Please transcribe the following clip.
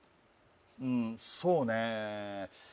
うんそうね